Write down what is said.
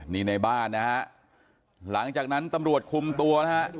นี่ในบ้านนะฮะหลังจากนั้นตำรวจคุมตัวนะฮะ